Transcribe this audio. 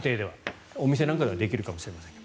お店なんかではできるかもしれませんが。